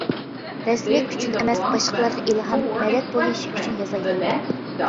رەسمىيەت ئۈچۈن ئەمەس باشقىلارغا ئىلھام، مەدەت بولۇشى ئۈچۈن يازايلى!